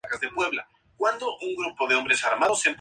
Daisuke Nishio